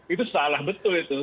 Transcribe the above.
itu salah betul itu